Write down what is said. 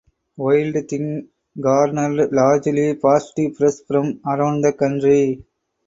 Wild Thing garnered largely positive press from around the country.